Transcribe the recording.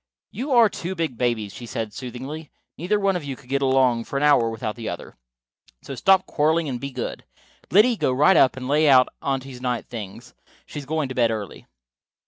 "You are two big babies," she said soothingly. "Neither one of you could get along for an hour without the other. So stop quarreling and be good. Liddy, go right up and lay out Aunty's night things. She is going to bed early."